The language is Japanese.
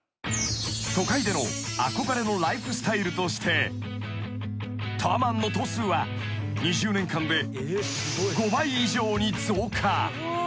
［都会での憧れのライフスタイルとしてタワマンの棟数は２０年間で５倍以上に増加］